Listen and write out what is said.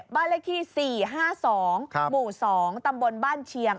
บ้านเลขที่๔๕๒หมู่๒ตำบลบ้านเชียง